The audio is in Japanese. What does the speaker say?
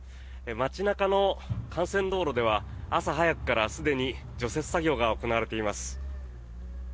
街中の幹線道路では朝早くからすでに除雪作業が行われています。